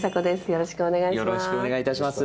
よろしくお願いします。